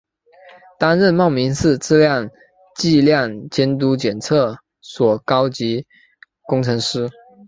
担任茂名市质量计量监督检测所高级工程师。